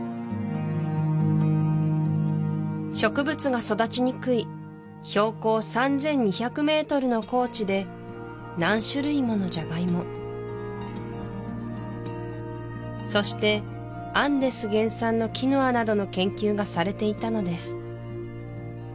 植物が育ちにくい標高３２００メートルの高地で何種類ものジャガイモそしてアンデス原産のキヌアなどの研究がされていたのです